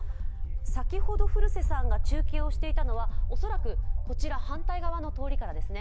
先ほど古瀬さんが中継をしていたのは、恐らく反対側の通りからですね。